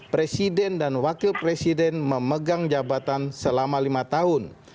presiden dan wakil presiden memegang jabatan selama lima tahun